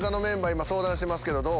今相談してますけどどう？